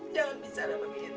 jangan bisa ada begini tuk